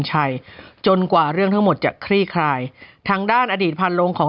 จนกว่าเรื่องทั้งหมดจะคลี่คลายทางด้านอดีตพันโรงของ